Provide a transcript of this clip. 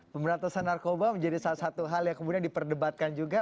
pemberantasan narkoba menjadi salah satu hal yang kemudian diperdebatkan juga